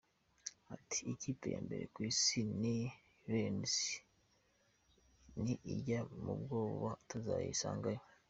Ati: "Ikipe ya mbere ku isi ni Rayons, ni ijya no mu mwobo tuzayisangayo.